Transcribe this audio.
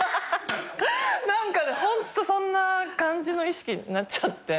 何かホントそんな感じの意識になっちゃって。